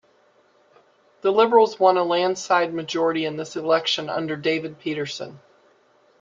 The Liberals won a landslide majority in this election under David Peterson.